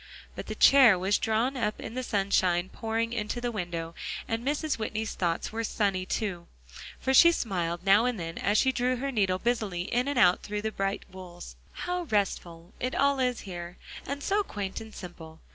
But the chair was drawn up in the sunshine pouring into the window, and Mrs. Whitney's thoughts were sunny, too; for she smiled now and then as she drew her needle busily in and out through the bright wools. "How restful it all is here, and so quaint and simple."